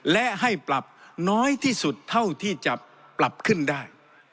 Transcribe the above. และให้ปรับน้อยที่สุดเท่าที่จะปรับขึ้นได้